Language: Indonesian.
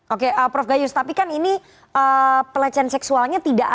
oke prof gayus tapi kan ini pelecehan seksualnya tidak ada